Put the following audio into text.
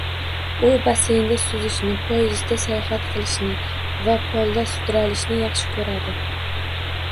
U basseynda suzishni, poyezdda sayohat qilishni va polda sudralishni yaxshi ko‘radi